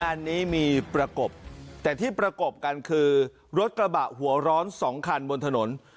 อันนี้มีประกบแต่ที่ประกบกันคือรถกระบะหัวร้อนสองคันบนถนน